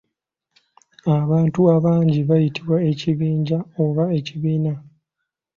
Abantu abangi bayitibwa ekibinja oba ekibiina.